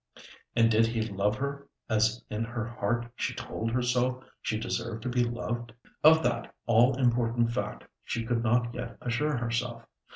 And did he love her as in her heart she told herself she deserved to be loved? Of that all important fact she could not yet assure herself.